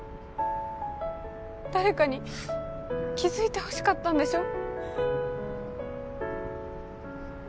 誰かに気づいてほしかったんでしょ？